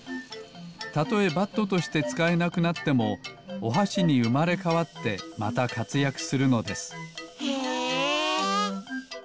たとえバットとしてつかえなくなってもおはしにうまれかわってまたかつやくするのですへえ。